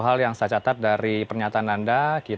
hal yang saya catat dari pernyataan anda